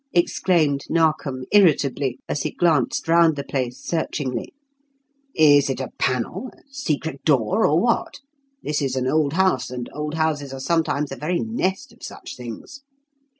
exclaimed Narkom irritably, as he glanced round the place searchingly. "Is it a panel? a secret door? or what? This is an old house, and old houses are sometimes a very nest of such things."